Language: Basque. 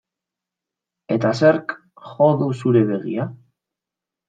Eta zerk jo du zure begia?